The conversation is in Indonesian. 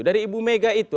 dari ibu mega itu